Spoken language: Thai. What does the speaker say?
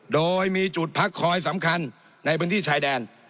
โดยมีจุดพักคอยสำคัญในพื้นที่ชายแดน